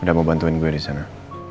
udah mau bantuin gue di sana